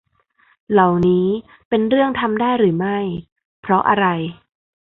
เหล่านี้เป็นเรื่องทำได้หรือไม่ เพราะอะไร